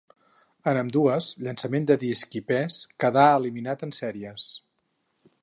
En ambdues, llançament de disc i pes, quedà eliminat en sèries.